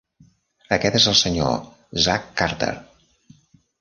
Aquest és el senyor Zach Carter.